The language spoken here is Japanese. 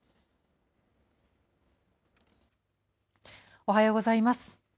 おはようございます。